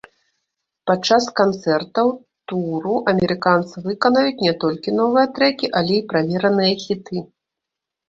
Падчас канцэртаў туру амерыканцы выканаюць не толькі новыя трэкі, але і правераныя хіты.